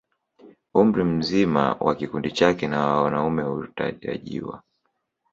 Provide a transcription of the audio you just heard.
Umri mzima wa kikundi chake na wanaume hutarajiwa